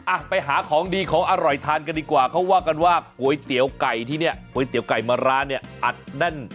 อ่ะไปหาของดีของอร่อยทานกันดีกว่าเขาว่ากันว่าก๋วยเตี๋ยวไก่ที่เนี่ยก๋วยเตี๋ยวไก่มาร้านเนี่ยอัดแน่น